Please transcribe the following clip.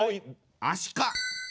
あしか。